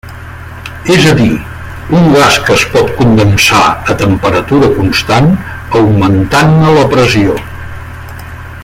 És a dir, un gas que es pot condensar a temperatura constant, augmentant-ne la pressió.